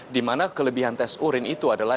di mana kelebihan tes urin itu adalah